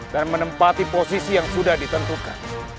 dan menempati posisi yang sudah ditentukan